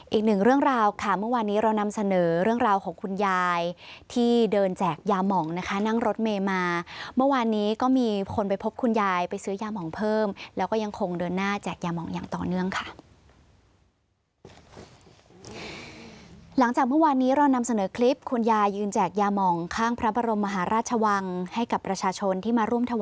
อีกหนึ่งเรื่องราวค่ะเมื่อวานนี้เรานำเสนอเรื่องราวของคุณยายที่